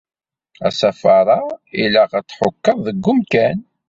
Asafar-a ilaq ad t-tḥukkeḍ deg umkan.